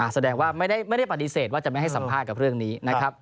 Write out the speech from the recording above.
แสดงว่าไม่ได้ปฏิเสธว่าจะไม่ให้สัมภาษณ์กับเรื่องนี้นะครับ